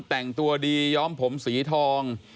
แต่งตัวดีย้อมผมสีทอง